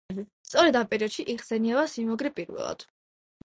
სწორედ ამ პერიოდში იხსენიება სიმაგრე პირველად.